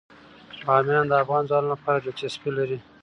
بامیان د افغان ځوانانو لپاره دلچسپي لري.